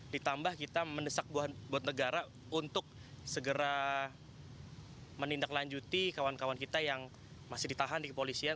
ditambah kita mendesak buat negara untuk segera menindaklanjuti kawan kawan kita yang masih ditahan di kepolisian